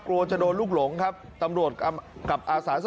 กลัวจะโดนลูกหลงครับ